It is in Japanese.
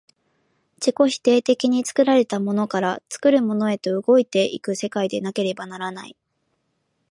自己否定的に作られたものから作るものへと動いて行く世界でなければならない。